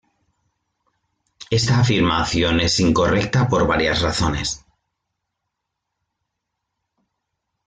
Esta afirmación es incorrecta por varias razones.